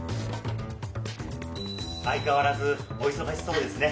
相変わらずお忙しそうですね。